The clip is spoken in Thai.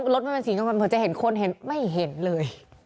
รถมันเป็นสีชมพูเผื่อจะเห็นคนเห็นไม่เห็นเลย